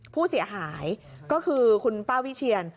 ผู้เสียหายก็คือคุณป้าวิเชียน